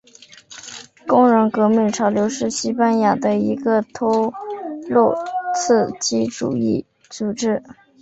工人革命潮流是西班牙的一个托洛茨基主义组织。